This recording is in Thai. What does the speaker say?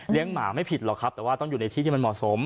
หมาไม่ผิดหรอกครับแต่ว่าต้องอยู่ในที่ที่มันเหมาะสม